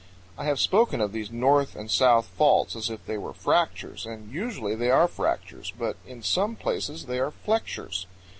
I have spoken of these north and south faults as if they were fractures; and usually they are fractures, but in some places they are flex 95 powell canyons 59.